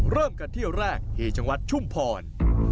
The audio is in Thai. เริ่มกันเที่ยวแรกที่จังหวัดชุมพร